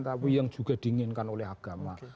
tapi yang juga diinginkan oleh agama